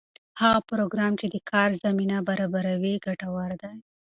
هغه پروګرام چې د کار زمینه برابروي ګټور دی.